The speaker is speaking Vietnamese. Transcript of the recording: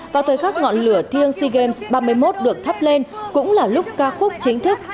vào thời khắc ngọn lửa thiêng sea games ba mươi một được thắp lên cũng là lúc ca khúc chính thức